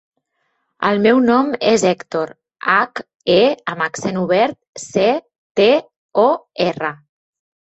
El meu nom és Hèctor: hac, e amb accent obert, ce, te, o, erra.